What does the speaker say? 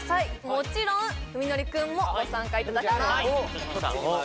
もちろん史記くんもご参加いただきます